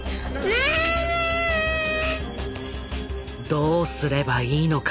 どうすればいいのか。